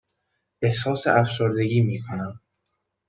احساس افسردگی می کنم.